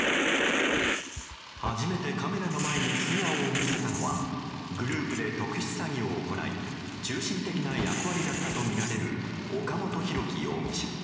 初めてカメラの前に素顔を見せたのはグループで特殊詐欺を行い中心的な役割だったとみられる岡本大樹容疑者。